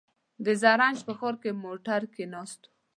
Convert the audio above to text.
د زرنج په ښار کې موټر کې ناست و.